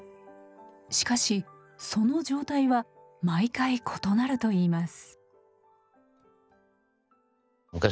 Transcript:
しかしその状態は毎回異なると言います。